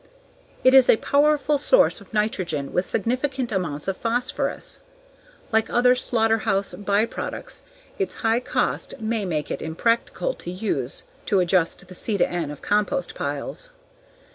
It is a powerful source of nitrogen with significant amounts of phosphorus. Like other slaughterhouse byproducts its high cost may make it impractical to use to adjust the C/N of compost piles.